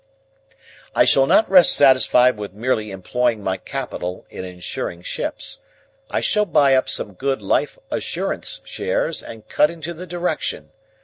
"I shall not rest satisfied with merely employing my capital in insuring ships. I shall buy up some good Life Assurance shares, and cut into the Direction.